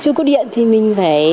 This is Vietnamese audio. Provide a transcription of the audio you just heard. thế nhưng chưa có điện thì mình phải